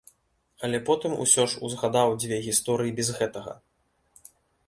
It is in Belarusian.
Але потым усё ж узгадаў дзве гісторыі без гэтага.